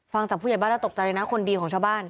ฟังจากผู้ใหญ่บ้านแล้วตกใจเลยนะคนดีของชาวบ้าน